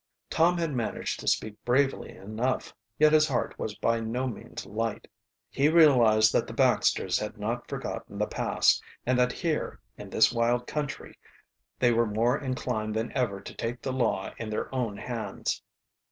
Tom had managed to speak bravely enough, yet his heart was by no means light. He realized that the Baxters had not forgotten the past, and that here, in this wild country, they were more inclined than ever to take the law in their own hands.